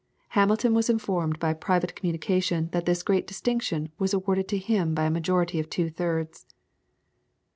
Hamilton was informed by private communication that this great distinction was awarded to him by a majority of two thirds.